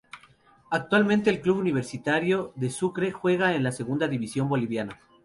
Actualmente el Club Universitario de Sucre juega en la segunda división Boliviana.